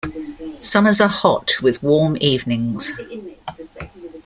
Summers are hot with warm evenings.